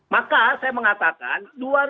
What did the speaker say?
maka saya mengatakan